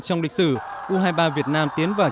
trong lịch sử u hai mươi ba việt nam tiến vào